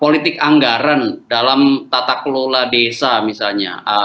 politik anggaran dalam tata kelola desa misalnya